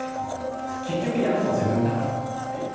結局やるの自分だからっていう。